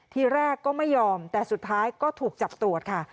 ทีแรกก็ไม่ยอมแต่สุดท้ายก็ถูกจับตรวจค่ะ